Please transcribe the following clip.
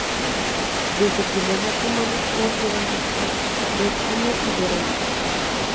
De su primer matrimonio nacieron dos hijas: Virginia y Verónica.